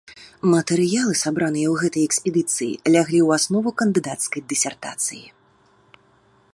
Матэрыялы, сабраныя ў гэтай экспедыцыі, ляглі ў аснову кандыдацкай дысертацыі.